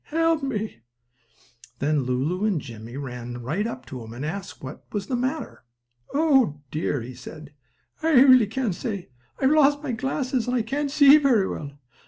Help me!" Then Lulu and Jimmie ran right up to him, and asked him what was the matter. "Oh dear," he said, "I really can't say. I've lost my glasses, and I can't see very well.